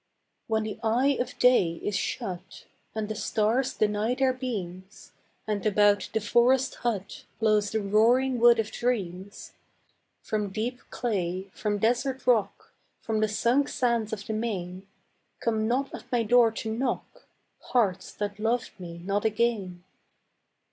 When the eye of day is shut, And the stars deny their beams, And about the forest hut Blows the roaring wood of dreams, From deep clay, from desert rock, From the sunk sands of the main, Come not at my door to knock, Hearts that loved me not again.